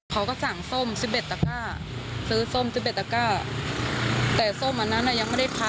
ถ่ายรูปอะไรเงี้ยแล้วก็เอาตัวแฟนไปโรงพักต่อค่ะ